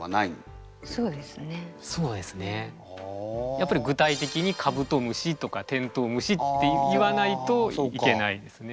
やっぱり具体的に「かぶとむし」とか「てんとうむし」って言わないといけないですね。